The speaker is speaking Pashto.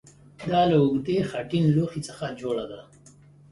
دا له اوږدې خټین لوښي څخه جوړه ده